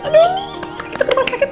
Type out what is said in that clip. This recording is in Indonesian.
kita ke rumah sakit